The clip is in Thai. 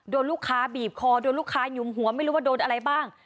โดนลูกค้าบีบคอโดนลูกค้ายุมหัวไม่รู้ว่าโดนอะไรบ้าง